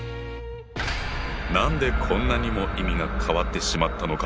何でこんなにも意味が変わってしまったのか？